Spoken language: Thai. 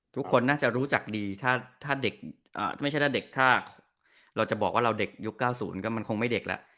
ทุกคนน่าจะรู้จักดีถ้าเราจะบอกว่าเราเด็กยุค๙๐ก็มันคงไม่เด็กแล้ว